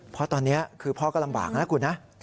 เพราะตอนนี้คือพ่อก็ลำบากนะคุณนะ